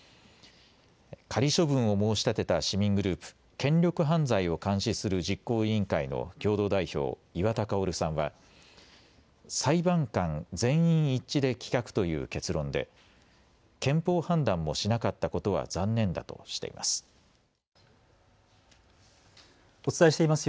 仮処分を申し立てた市民グループ、権力犯罪を監視する実行委員会の共同代表、岩田薫さんは裁判官全員一致で棄却という結論で憲法判断もしなかったことは残念だとしています。